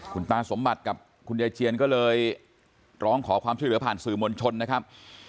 คุณตาสมบัติกับคุณยายเจียนก็เลยร้องขอความช่วยเหลือผ่านสื่อมวลชนนะครับ